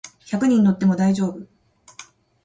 百人乗っても大丈夫